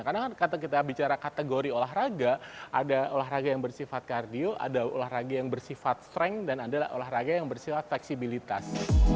karena kita bicara kategori olahraga ada olahraga yang bersifat kardio ada olahraga yang bersifat strength dan ada olahraga yang bersifat fleksibilitas